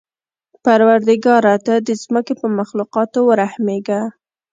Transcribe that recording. پروردګاره! ته د ځمکې په مخلوقاتو ورحمېږه.